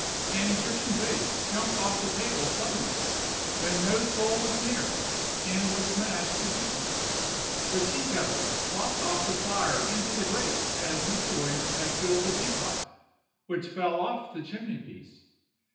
An Egyptian vase jumped off the table suddenly, when no soul was near, and was smashed to pieces. The teakettle popped off the fire into the grate as Mr. Williams had filled the teapot, which fell off the chimney piece.